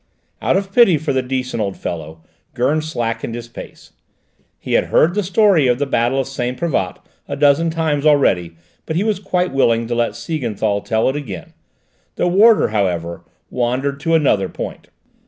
Out of pity for the decent old fellow Gurn slackened his pace. He had heard the story of the battle of Saint Privat a dozen times already, but he was quite willing to let Siegenthal tell it again. The warder, however, wandered to another point.